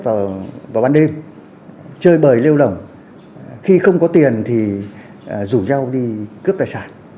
vào ban đêm chơi bời lêu lỏng khi không có tiền thì rủ nhau đi cướp tài sản